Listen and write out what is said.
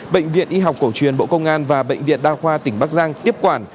bệnh viện y học cổ truyền bộ công an và bệnh viện đa khoa tỉnh bắc giang tiếp quản